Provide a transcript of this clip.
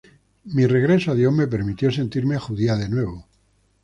Mi regreso a Dios me permitió sentirme judía de nuevo".